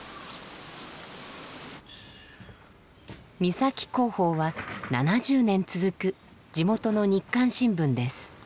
三崎港報は７０年続く地元の日刊新聞です。